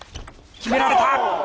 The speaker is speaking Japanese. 決められた！